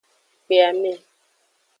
Kpe ame.